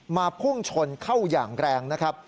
พุ่งชนเข้าอย่างแรงนะครับ